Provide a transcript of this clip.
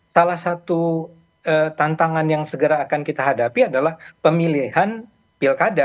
salah satu tantangan yang segera akan kita hadapi adalah pemilihan pilkada